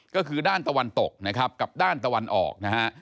ก็คือด้านตะวันตกนะครับกับด้านตะวันออกนะฮะ